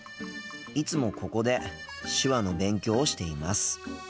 いつもここで手話の勉強をしています。